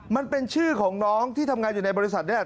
มันเป็นชื่อของน้องที่ทำงานอยู่ในบริษัทนี้